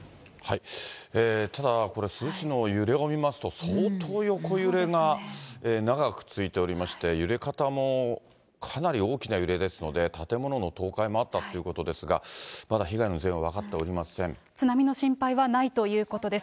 ただ、これ、珠洲市の揺れを見ますと、相当、横揺れが長く続いておりまして、揺れ方もかなり大きな揺れですので、建物の倒壊もあったということですが、まだ被害の全容は分かって津波の心配はないということです。